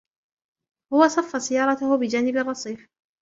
هو صَفّ سيّارته بحانب الرصيف.